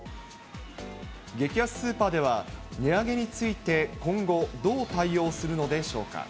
激安スーパーでは、値上げについて今後、どう対応するのでしょうか。